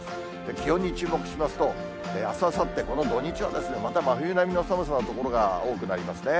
気温に注目しますと、あす、あさって、この土日はまた真冬並みの寒さの所が多くなりますね。